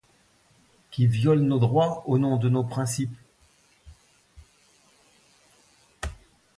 Qui violent nos droits au nom de nos principes